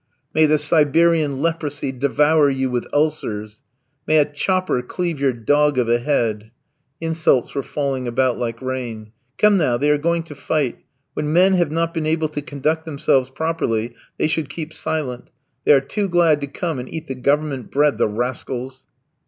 "May the Siberian leprosy devour you with ulcers!" "May a chopper cleave your dog of a head." Insults were falling about like rain. "Come, now, they are going to fight. When men have not been able to conduct themselves properly they should keep silent. They are too glad to come and eat the Government bread, the rascals!"